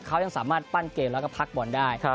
เขายังสามารถปั้นเกมแล้วก็พักบอลได้